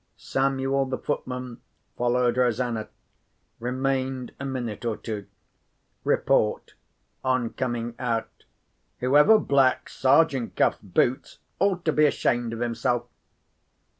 Samuel, the footman, followed Rosanna. Remained a minute or two. Report, on coming out: "Whoever blacks Sergeant Cuff's boots ought to be ashamed of himself."